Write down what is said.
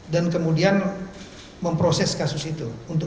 dan kemudian memproses kasus itu